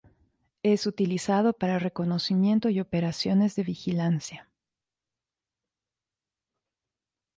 Es utilizado para reconocimiento y operaciones de vigilancia.